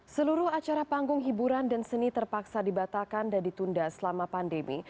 seluruh acara panggung hiburan dan seni terpaksa dibatalkan dan ditunda selama pandemi